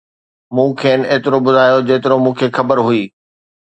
مون کين ايترو ٻڌايو، جيترو مون کي خبر هئي